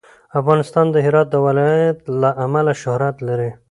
افغانستان د هرات د ولایت له امله شهرت لري.